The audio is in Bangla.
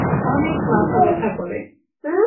অনেক মাথা ব্যথা করে।